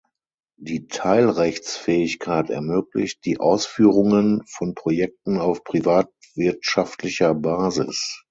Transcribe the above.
Die Teilrechtsfähigkeit ermöglicht die Ausführungen von Projekten auf privatwirtschaftlicher Basis.